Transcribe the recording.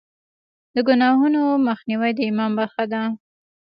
د ګناهونو مخنیوی د ایمان برخه ده.